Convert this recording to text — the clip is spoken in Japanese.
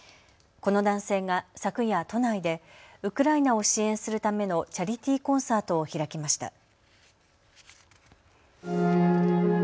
この男性が昨夜、都内でウクライナを支援するためのチャリティーコンサートを開きました。